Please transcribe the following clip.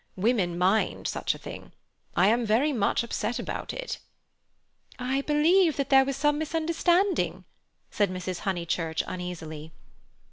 Women mind such a thing. I am very much upset about it." "I believe that there was some misunderstanding," said Mrs. Honeychurch uneasily.